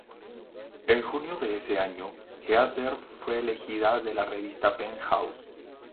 En junio de ese año, Heather fue elegida de la revista Penthouse.